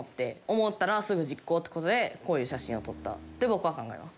思ったらすぐ実行って事でこういう写真を撮ったって僕は考えます。